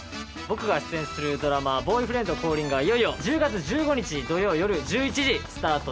僕が出演するドラマ『ボーイフレンド降臨！』がいよいよ１０月１５日土曜よる１１時スタートです。